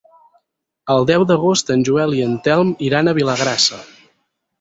El deu d'agost en Joel i en Telm iran a Vilagrassa.